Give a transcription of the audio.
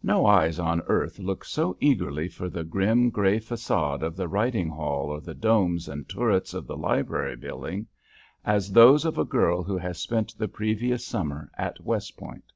No eyes on earth look so eagerly for the grim, gray façade of the riding hall or the domes and turrets of the library building as those of a girl who has spent the previous summer at West Point.